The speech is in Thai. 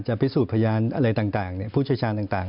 ยูดพญานอะไรต่างผู้ชายชาญ